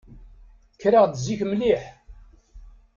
Kkreɣ-d zik mliḥ.